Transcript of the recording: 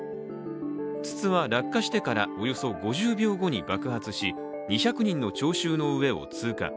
筒は落下してからおよそ５０秒後に爆発し、２００人の聴衆の上を通過。